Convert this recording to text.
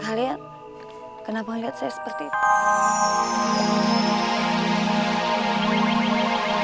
kalian kenapa lihat saya seperti itu